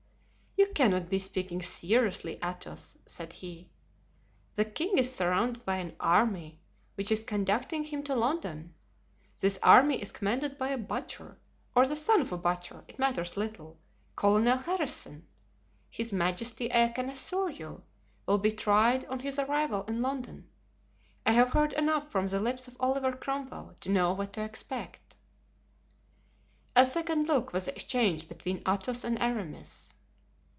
"You cannot be speaking seriously, Athos!" said he; "the king is surrounded by an army, which is conducting him to London. This army is commanded by a butcher, or the son of a butcher—it matters little—Colonel Harrison. His majesty, I can assure you, will be tried on his arrival in London; I have heard enough from the lips of Oliver Cromwell to know what to expect." A second look was exchanged between Athos and Aramis.